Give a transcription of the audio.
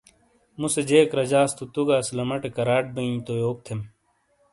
موسے جیک رجاس تو تُو گہ اسلماٹے کراٹ بئیں تو یوک تھم